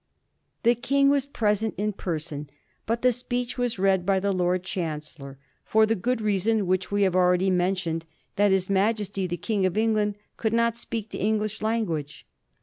The King was present in person, but the speech was read by the Lord Chancellor, for the good reason which we have ah'eady mentioned, that his Majesty the King of England could not speak the English language.